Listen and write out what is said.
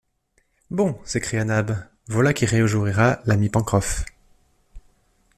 Bon! s’écria Nab, voilà qui réjouira l’ami Pencroff !